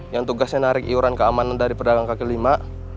yang tugasnya narik iuran keamanan dari pedagang kaki lima